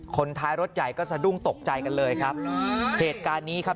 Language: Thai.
ท้ายรถใหญ่ก็สะดุ้งตกใจกันเลยครับเหตุการณ์นี้ครับ